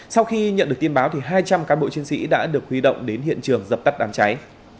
sau khi nhận được tin báo hai trăm linh cán bộ chiến sĩ đã được huy động đến hiện trường dập tắt đám cháy